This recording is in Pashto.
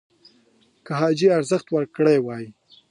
که حاجي ارزښت ورکړی وای